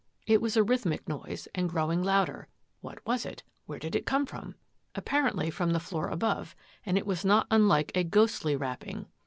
It was a rhythmic noise and growing louder. What was it? Where did it come from? Appar ently from the floor above and it was not unlike a ghostly rapping.